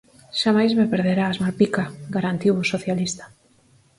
"Xamais me perderás, Malpica", garantiu o socialista.